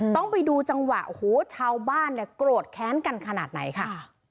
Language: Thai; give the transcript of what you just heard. ต้องไปดูจังหวะโอ้โหชาวบ้านเนี่ยโกรธแค้นกันขนาดไหนค่ะ